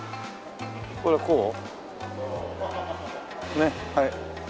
ねっはい。